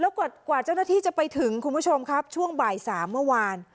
แล้วกว่าเจ้าหน้าที่จะไปถึงคุณผู้ชมครับช่วงบ่าย๓เมื่อวาน